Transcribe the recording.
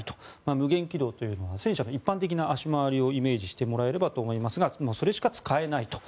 無限軌道というのは戦車の一般的な足回りをイメージしてもらえればと思いますがそれしか使えないと。